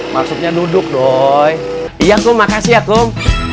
maksudnya duduk doi iya kum makasih ya kum